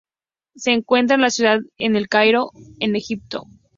Se encuentra en la ciudad de El Cairo en Egipto.